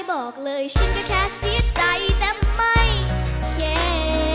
บอกเลยฉันก็แค่เสียใจแต่ไม่แค่